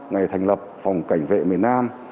ngày thành lập phòng cảnh vệ miền nam